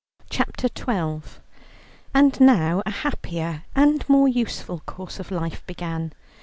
CHAPTER XII And now a happier and more useful course of life began.